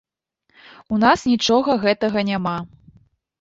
У нас нічога гэтага няма.